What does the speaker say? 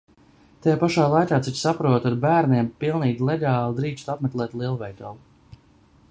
Tajā pašā laikā, cik saprotu, ar bērniem pilnīgi legāli drīkstu apmeklēt lielveikalu.